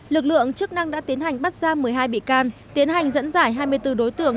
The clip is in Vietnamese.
lực lượng chức năng đã tiến hành bắt ra một mươi hai bị can tiến hành dẫn dải hai mươi bốn đối tượng